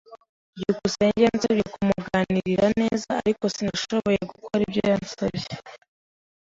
byukusenge yansabye kumugirira neza. Ariko, sinashoboye gukora ibyo yansabye.